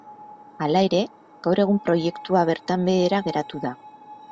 Hala ere, gaur egun proiektua bertan behera geratu da.